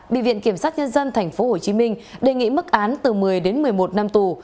bị viện kiểm sát nhân dân tp hcm đề nghị mức án từ một mươi đến một mươi một năm tù